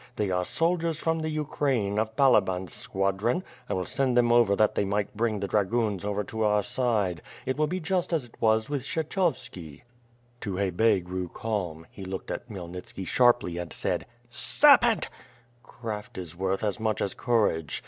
They are soldiers from the Ukraine, of BaJaban's squadron; I will send them over that they may bring the dragoons over to our side. It will be just as it was with Kshechovski." Tukhay Bey grew calm: he looked at Khmyelnitski sharply and said: "Serpent!" ... "Craft is worth as much as courage.